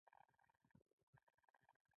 په افغانستان کې د ژوند پر ضد جګړه روانه ده.